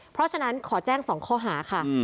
เพราะฉะนั้นขอแจ้ง๒ข้อหาค่ะ